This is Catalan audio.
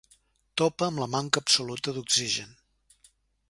Topa amb la manca absoluta d'oxigen.